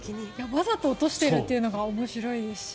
わざと落としているというのが面白いし。